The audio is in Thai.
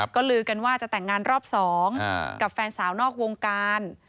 ก็ลือกันว่าจะแต่งงานรอบ๒กับแฟนสาวนอกวงการ